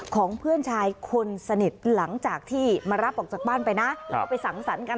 ของเพื่อนชายคนสนิทหลังจากที่มารับออกจากบ้านไปนะแล้วก็ไปสั่งสรรค์กัน